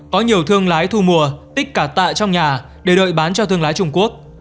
có nhiều thương lái thu mua tích cả tạ trong nhà để đợi bán cho thương lái trung quốc